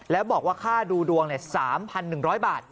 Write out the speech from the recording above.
แล้วบอกว่าค่าดูดวง๓๑๐๐บาท